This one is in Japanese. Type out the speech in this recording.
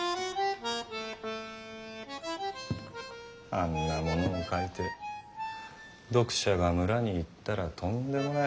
あんなものを描いて読者が村に行ったらとんでもない。